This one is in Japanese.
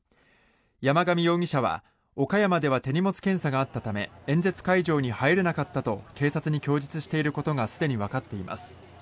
山上容疑者は岡山では手荷物検査があったため演説会場に入れなかったと警察に供述していることがすでにわかっています。